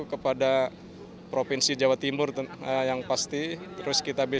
kepada provinsi jawa timur yang pasti